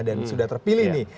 dan sudah terpilih nih